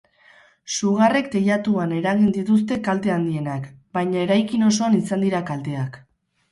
Sugarrek teilatuan eragin dituzte kalte handienak, baina eraikin osoan izan dira kalteak.